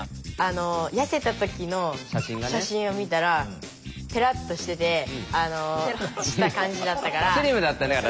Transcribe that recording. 痩せた時の写真を見たらぺらっとしててした感じだったから。